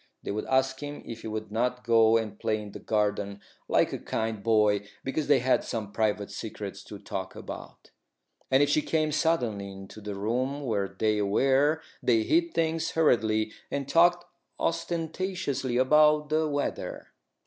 They would ask him if he would not go and play in the garden, like a kind boy, because they had some private secrets to talk about; and if he came suddenly into the room where they were they hid things hurriedly and talked ostentatiously about the weather.